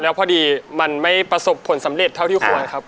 แล้วพอดีมันไม่ประสบผลสำเร็จเท่าที่ควรครับ